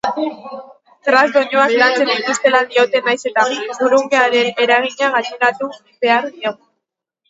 Thrash doinuak lantzen dituztela diote nahiz eta grunge-aren eragina gaineratu behar diegun.